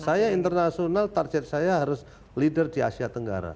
saya internasional target saya harus leader di asia tenggara